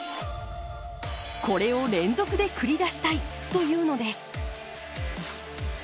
これを連続で繰り出したいというのです。